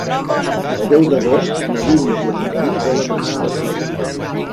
El deu d'agost na Dúnia i en Martí volen anar al cinema.